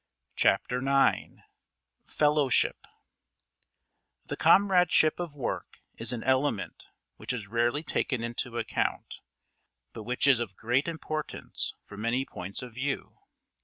Chapter IX Fellowship The comradeship of work is an element which is rarely taken into account, but which is of great importance from many points of view.